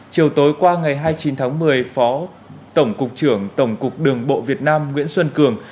chiều tối qua ngày hai mươi chín tháng một mươi phó tổng cục trưởng tổng cục đường bộ việt nam nguyễn xuân cường